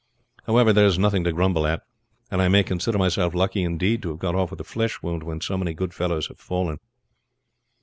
However, there is nothing to grumble at; and I may consider myself lucky indeed to have got off with a flesh wound when so many good fellows have fallen."